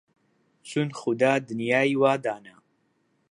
چون خودا دنیای وا دانا